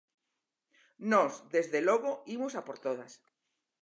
Nós, desde logo, imos a por todas.